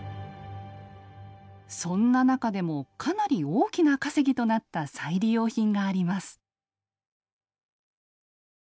そんな中でもかなり大きな稼ぎとなった再利用品があります。